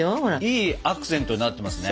いいアクセントになってますね。